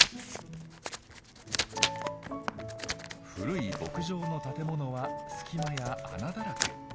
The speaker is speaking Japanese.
古い牧場の建物は隙間や穴だらけ。